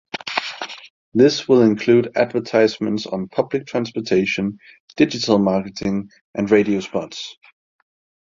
This will include advertisements on public transportation, digital marketing, and radio spots.